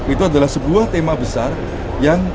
itu adalah sebuah tema besar yang